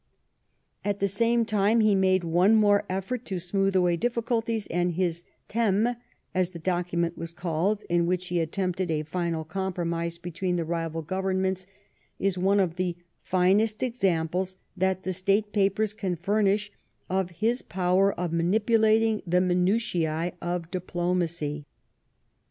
At the same time he made one more effort to smooth away difficulties, and his Theme, as the document was called in which he attempted a final compromise between the rival Govern ments, is one of the finest examples that the State Papers can furnish of his power of manipulating the minutiee of diplomacy.